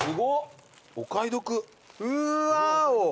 うわお！